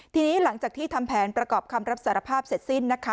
ทีนี้หลังจากที่ทำแผนประกอบคำรับสารภาพเสร็จสิ้นนะคะ